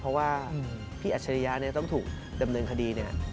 เพราะว่าพี่อัจฉริยะเนี่ยต้องถูกดำเนินคดีเนี่ย